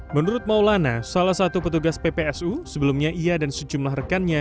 menurut maulana salah satu petugas ppsu sebelumnya ia dan sejumlah rekannya